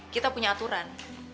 kita punya aturan